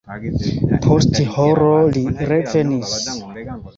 Post horo li revenis.